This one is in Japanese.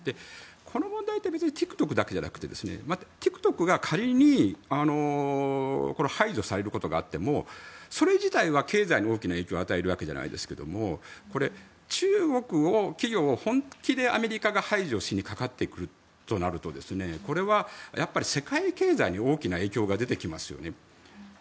この問題って別にＴｉｋＴｏｋだけじゃなくてＴｉｋＴｏｋが仮に排除されることがあってもそれ自体は経済に大きな影響を与えるわけじゃないですが中国企業を、本気でアメリカが排除しにかかってくるとなるとこれはやっぱり世界経済に大きな影響が出てきますよね。